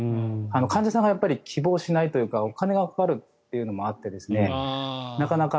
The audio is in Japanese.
患者さんがやっぱり希望しないというかお金がかかるというのもあってなかなか。